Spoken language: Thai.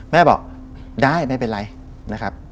แม่บอกได้ไม่เป็นไรนะครับ